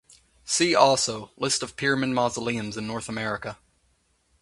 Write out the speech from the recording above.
See also List of pyramid mausoleums in North America.